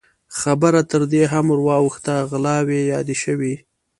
خبره تر دې هم ور واوښته، غلاوې يادې شوې.